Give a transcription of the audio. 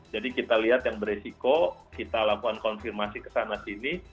jadi kita lihat yang beresiko kita lakukan konfirmasi kesana sini